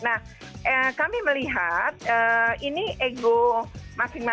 nah kami melihat ini ego makin banyak